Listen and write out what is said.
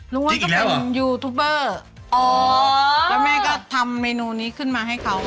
รู้ว่าก็เป็นยูทูบเบอร์อ๋อแล้วแม่ก็ทำเมนูนี้ขึ้นมาให้เขา